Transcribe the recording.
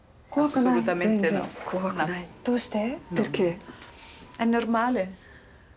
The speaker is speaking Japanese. どうして？